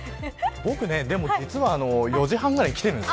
僕、実は４時半ぐらいに来てるんです。